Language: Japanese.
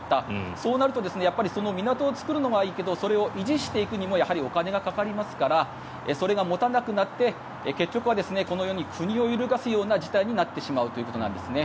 そうなると港を作るのはいいけどそれを維持していくにもやはりお金がかかりますからそれが持たなくなって結局はこのように国を揺るがすような事態になってしまうということなんですね。